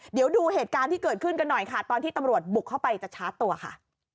เดี๋ยวดูเหตุการณ์ที่เกิดขึ้นกันหน่อยค่ะตอนที่ตำรวจบุกเข้าไปจะชาร์จตัวค่ะ